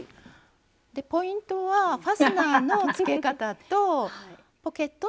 ポイントはファスナーのつけ方とポケットの作り方になります。